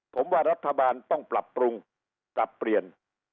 ผมว่ารัฐบาลต้องปรับปรุงปรับเปลี่ยน